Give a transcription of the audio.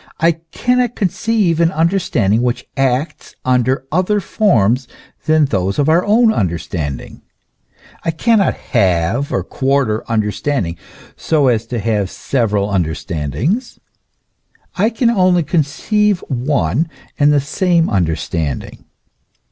I cannot conceive an understanding which acts under other forms than those of our own understanding ; I cannot halve or quarter understanding so as to have several understandings ; I can only conceive one and the same understanding.